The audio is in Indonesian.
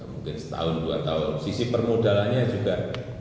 mungkin setahun dua tahun sisi permodalannya juga